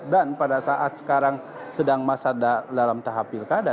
dan pada saat sekarang sedang masak dalam tahap pilkada